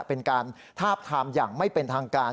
เป็นการทาบทามอย่างไม่เป็นทางการ